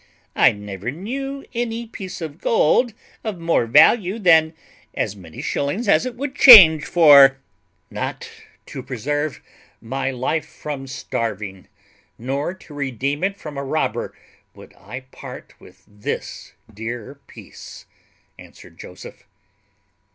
I never knew any piece of gold of more value than as many shillings as it would change for." "Not to preserve my life from starving, nor to redeem it from a robber, would I part with this dear piece!" answered Joseph.